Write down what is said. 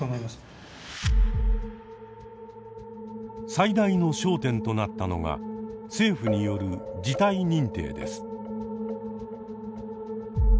最大の焦点となったのが政府による「事態認定」です。